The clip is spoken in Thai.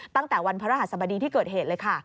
ตั้งแต่วันพระรหัสบดีที่เกิดเหตุเลยค่ะ